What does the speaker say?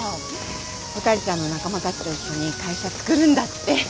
蛍ちゃんの仲間たちと一緒に会社つくるんだって。